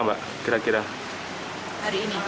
sampai sebagai terapis di sini apa